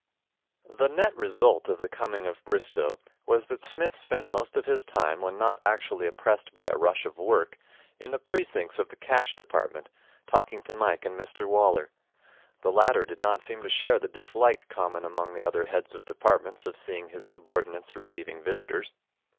The net result of the coming of Bristow was that Psmith spent most of his time, when not actually oppressed by a rush of work, in the precincts of the Cash Department, talking to Mike and Mr Waller. The latter did not seem to share the dislike common among the other heads of departments of seeing his subordinates receiving visitors.